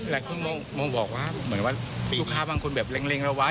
แล้วพี่ม้มม้มบอกว่าเหมือนว่าลูกค้าบางคนแบบเร็งแล้ววะ